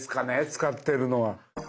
使ってるのは。